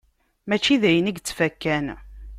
Mačči d ayen i yettfakkan